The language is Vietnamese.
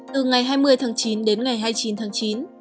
từ ngày hai mươi tháng chín đến ngày hai mươi chín tháng chín